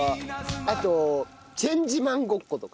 あと『チェンジマン』ごっことか。